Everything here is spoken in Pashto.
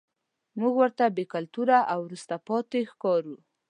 موږ ورته بې کلتوره او وروسته پاتې ښکارو.